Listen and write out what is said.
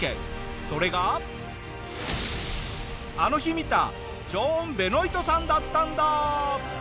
あの日見たジョーン・ベノイトさんだったんだ！